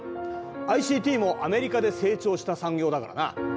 ＩＣＴもアメリカで成長した産業だからな。